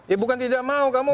ya bukan tidak mau kamu